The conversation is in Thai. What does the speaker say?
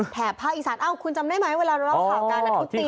แถบภาคอีสานเอ้าคุณจำได้ไหมเวลาเราข่อการทุกปีเลย